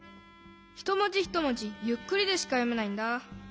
ひともじひともじゆっくりでしかよめないんだ。